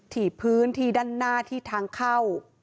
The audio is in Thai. ถี่พื้นที่ด้านหน้าที่ทางเข้า